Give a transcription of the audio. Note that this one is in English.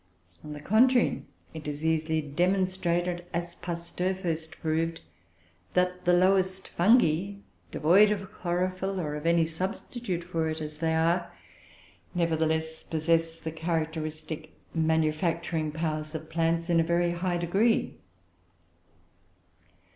On the contrary, it is easily demonstrated, as Pasteur first proved, that the lowest fungi, devoid of chlorophyll, or of any substitute for it, as they are, nevertheless possess the characteristic manufacturing powers of plants in a very high degree.